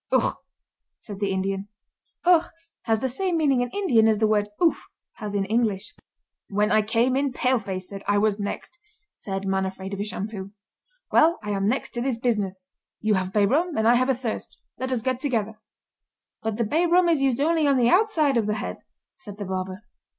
"Ugh!" said the Indian. "Ugh!" has the same meaning in Indian as the word "Oof!" has in English. "When I came in paleface said I was next," said Man Afraid Of A Shampoo. "Well, I am next to this business. You have bay rum and I have a thirst let us get together!" "But the bay rum is used only on the outside of the head," said the barber.